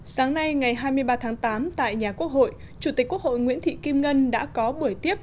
sáng nay ngày hai mươi ba tháng tám tại nhà quốc hội chủ tịch quốc hội nguyễn thị kim ngân đã có buổi tiếp